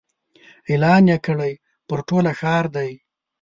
اعلان یې کړی پر ټوله ښار دی